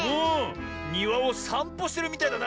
にわをさんぽしてるみたいだな。